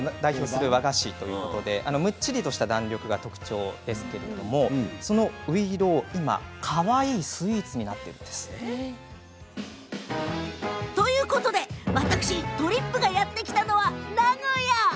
むっちりとした弾力が特徴ですけれどもそのういろう今、かわいいスイーツになっているんです。ということで私、とりっぷがやって来たのは名古屋！